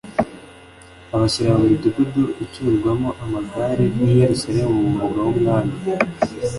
abashyira mu midugudu icyurwamo amagare n’i Yerusalemu mu murwa w’umwami